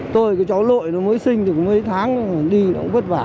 tôi cái chó lội nó mới sinh thì có mấy tháng đi nó cũng vất vả